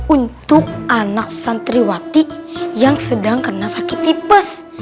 untuk anak santriwati yang sedang kena sakit tipes